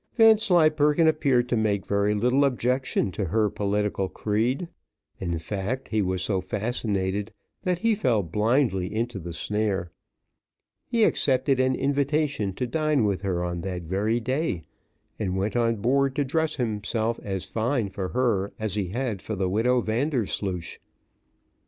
Vanslyperken appeared to make very little objection to her political creed; in fact, he was so fascinated that he fell blindly into the snare; he accepted an invitation to dine with her on that very day, and went on board to dress himself as fine for her as he had for the widow Vandersloosh.